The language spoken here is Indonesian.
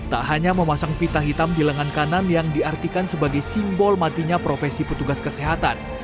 tak hanya memasang pita hitam di lengan kanan yang diartikan sebagai simbol matinya profesi petugas kesehatan